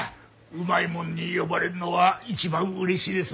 うまいもんに呼ばれるのは一番嬉しいですな。